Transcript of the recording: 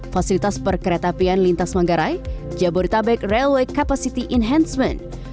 fasilitas perkereta apian lintas manggarai jabodetabek railway capacity enhancement